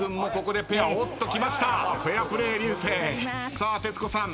さあ徹子さん